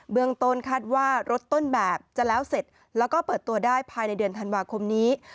เมืองต้นคาดว่ารถต้นแบบจะแล้วเสร็จแล้วก็เปิดตัวได้ภายในเดือนธันวาคมนี้